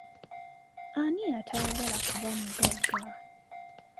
Ani atayagala kuba mugagga?